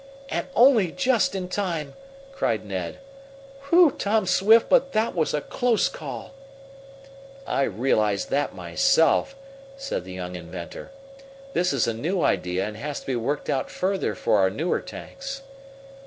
"And only just in time!" cried Ned. "Whew, Tom Swift, but that was a close call!" "I realize that myself!" said the young inventor. "This is a new idea and has to be worked out further for our newer tanks."